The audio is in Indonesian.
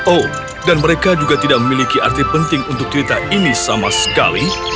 oh dan mereka juga tidak memiliki arti penting untuk cerita ini sama sekali